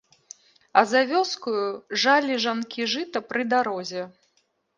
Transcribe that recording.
А за вёскаю жалі жанкі жыта пры дарозе.